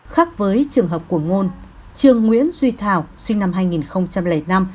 khác với trường hợp của ngôn trương nguyễn duy thảo sinh năm hai nghìn năm